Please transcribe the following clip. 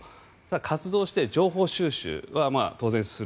活動して、情報収集は当然する。